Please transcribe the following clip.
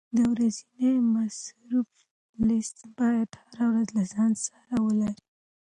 د ورځني مصرف لیست باید هر وخت له ځان سره ولرې.